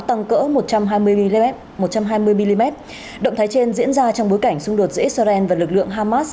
tăng cỡ một trăm hai mươi mm động thái trên diễn ra trong bối cảnh xung đột giữa israel và lực lượng hamas